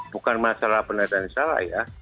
bukan masalah benar dan salah ya